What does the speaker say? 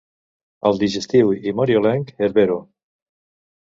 El digestiu i mariolenc Herbero.